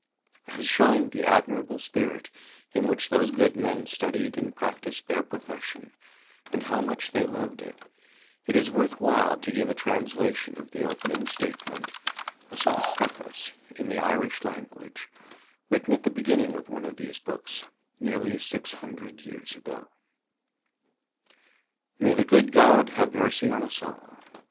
As showing the admirable spirit in which those good men studied and practised their profession, and how much they loved it, it is worth while to give a translation of the opening statement, a sort of preface, in the Irish language, written at the beginning of one of these books, nearly six hundred years ago: "May the good God have mercy on us all.